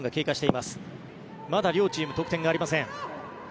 まだ両チーム得点がありません。